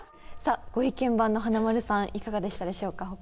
ご意見番の華丸さんいかがでしたでしょうか？